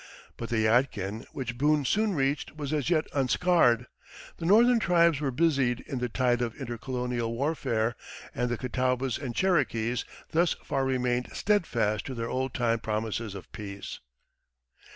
But the Yadkin, which Boone soon reached, was as yet unscarred; the Northern tribes were busied in the tide of intercolonial warfare, and the Catawbas and Cherokees thus far remained steadfast to their old time promises of peace.